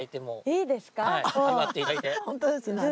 いいですか？